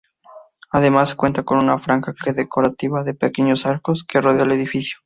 Además cuenta con una franja decorativa de pequeños arcos, que rodea al edificio.